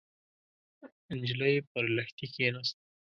نجلۍ پر لښتي کېناسته.